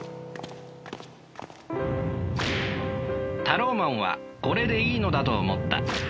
タローマンはこれでいいのだと思った。